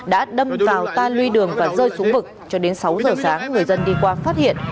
đã đâm vào tan lưu đường và rơi xuống vực cho đến sáu giờ sáng người dân đi qua phát hiện